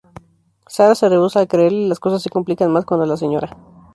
Sarah se rehúsa a creerle y las cosas se complican más cuando la Sra.